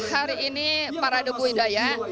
hari ini para debudaya